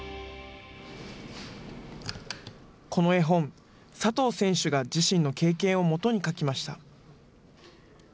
この絵本、佐藤選手が自身の経験を基に書きました。